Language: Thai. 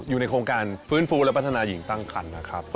อยู่ในโครงการฟื้นฟูและพัฒนาหญิงตั้งคันนะครับ